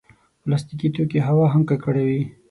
پلاستيکي توکي هوا هم ککړوي.